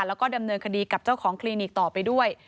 แล้วก็ดำเนินคดีกับเจ้าของคลินิกต่อไปด้วย